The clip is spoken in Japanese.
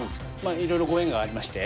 いろいろご縁がありまして。